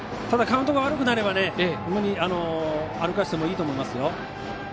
ただカウントが悪くなれば歩かせてもいいと思います。